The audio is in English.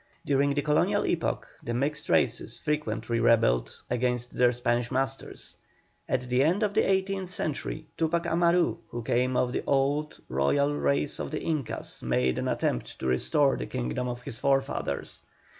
During the Colonial epoch the mixed races frequently rebelled against their Spanish masters. At the end of the eighteenth century Tupac Amarú, who came of the old royal race of the Incas, made an attempt to restore the kingdom of his forefathers.